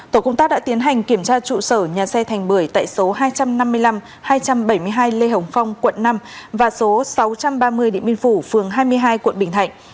tổ công tác đã tiến hành kiểm tra trụ sở nhà xe thành bưởi tại số hai trăm năm mươi năm hai trăm bảy mươi hai lê hồng phong quận năm và số sáu trăm ba mươi địa minh phủ phường hai mươi hai quận bình thạnh